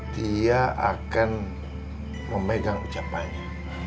dia akan memegang ucapannya